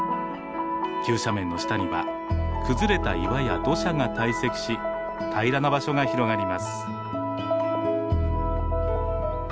急斜面の下には崩れた岩や土砂が堆積し平らな場所が広がります。